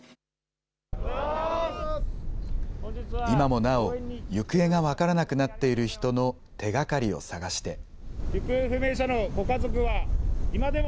今もなお行方が分からなくなっている人の手がかりを捜して。